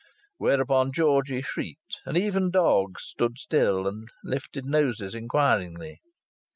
Whereupon Georgie shrieked, and even dogs stood still and lifted noses inquiringly.